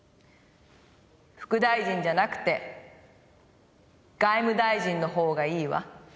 副大臣じゃなくて外務大臣のほうがいいわ。